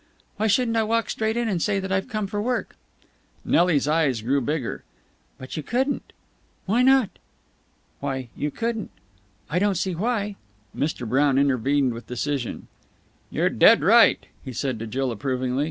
"Why shouldn't I walk straight in and say that I've come for work?" Nelly's big eyes grew bigger. "But you couldn't!' "Why not?" "Why, you couldn't!" "I don't see why." Mr. Brown intervened with decision. "You're dead right," he said to Jill approvingly.